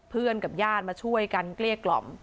กับญาติมาช่วยกันเกลี้ยกล่อม